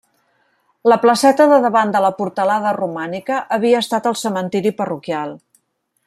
La placeta de davant de la portalada romànica havia estat el cementiri parroquial.